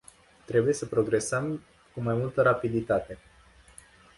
Trebuie să progresăm cu mai multă rapiditate.